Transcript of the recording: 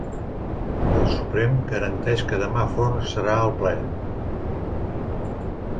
El Suprem garanteix que demà Forn serà al ple